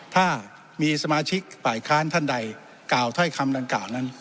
ถ้ามีสมาชิกฝ่ายค้านท่านใดกล่าวถ้อยคำดังกล่าวนั้น